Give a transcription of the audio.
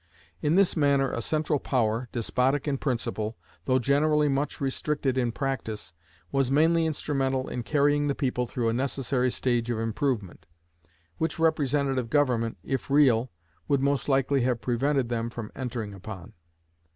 In this manner a central power, despotic in principle, though generally much restricted in practice, was mainly instrumental in carrying the people through a necessary stage of improvement, which representative government, if real, would most likely have prevented them from entering upon.